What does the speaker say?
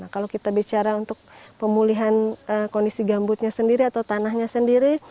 kalau kita bicara untuk pemulihan kondisi gambutnya sendiri atau tanahnya sendiri